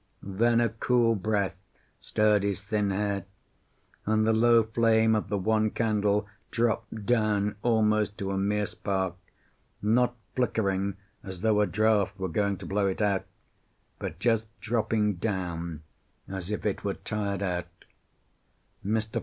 Then a cool breath stirred his thin hair, and the low flame of the one candle dropped down almost to a mere spark, not flickering as though a draught were going to blow it out, but just dropping down as if it were tired out. Mr.